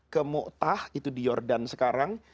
kemu'tah itu di jordan sekarang